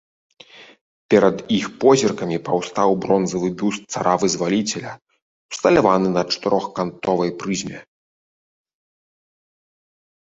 Перад іх позіркамі паўстаў бронзавы бюст цара-вызваліцеля ўсталяваны на чатырохкантовай прызме.